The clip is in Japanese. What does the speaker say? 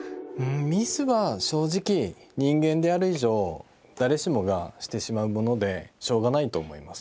ミスは正直人間である以上誰しもがしてしまうものでしょうがないと思います